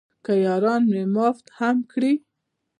که یاران مې معاف هم کړي.